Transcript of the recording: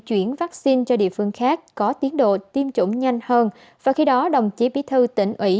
chuyển vaccine cho địa phương khác có tiến độ tiêm chủng nhanh hơn và khi đó đồng chí bí thư tỉnh ủy